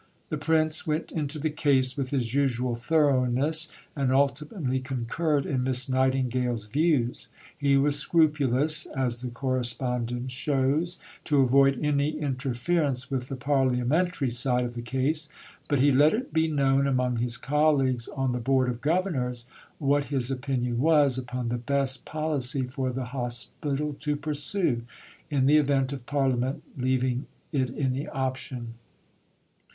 The Prince went into the case with his usual thoroughness, and ultimately concurred in Miss Nightingale's views. He was scrupulous, as the correspondence shows, to avoid any interference with the parliamentary side of the case, but he let it be known, among his colleagues on the Board of Governors, what his opinion was upon the best policy for the Hospital to pursue, in the event of Parliament leaving it any option.